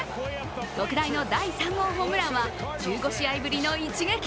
特大の第３号ホームランは１５試合ぶりの一撃。